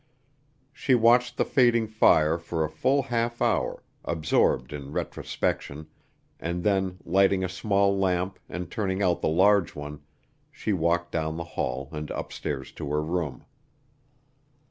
She watched the fading fire for a full half hour, absorbed in retrospection, and then lighting a small lamp and turning out the large one, she walked down the hall and upstairs to her room.